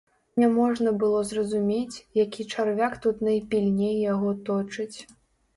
Няможна было зразумець, які чарвяк тут найпільней яго точыць.